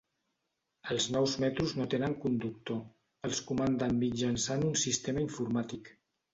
Els nous metros no tenen conductor, els comanden mitjançant un sistema informàtic.